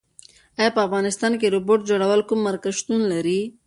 ایا په افغانستان کې د روبوټ جوړولو کوم مرکز شتون لري؟